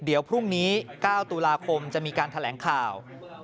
เดี๋ยวพรุ่งนี้๙ตุลาคมจะมีการแถลงข่าว